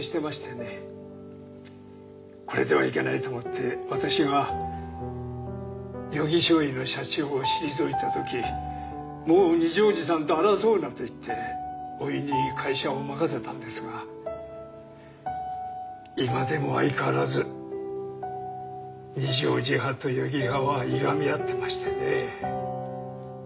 これではいけないと思って私が余木醤油の社長を退いたときもう二条路さんと争うなと言っておいに会社を任せたんですが今でも相変わらず二条路派と余木派はいがみ合ってましてね。